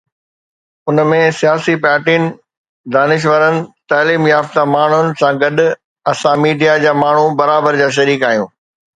ان ۾ سياسي پارٽين، دانشورن، تعليم يافته ماڻهن سان گڏ اسان ميڊيا جا ماڻهو برابر جا شريڪ آهيون.